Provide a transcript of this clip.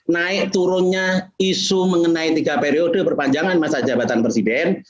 naik turunnya isu mengenai tiga periode perpanjangan masa jabatan presiden